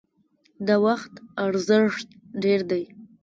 د وخت ارزښت ډیر دی